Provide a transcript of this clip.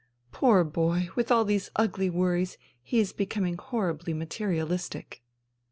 Poor boy, with all these ugly worries he is becoming horribly materialistic."